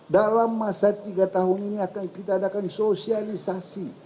dalam masa tiga tahun ini kita akan adakan sosialisasi